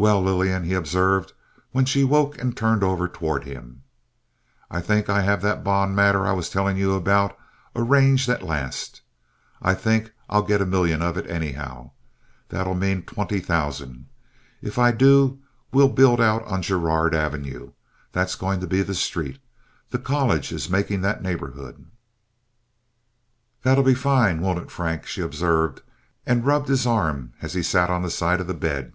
"Well, Lillian," he observed, when she awoke and turned over toward him, "I think I have that bond matter that I was telling you about arranged at last. I think I'll get a million of it, anyhow. That'll mean twenty thousand. If I do we'll build out on Girard Avenue. That's going to be the street. The college is making that neighborhood." "That'll be fine, won't it, Frank!" she observed, and rubbed his arm as he sat on the side of the bed.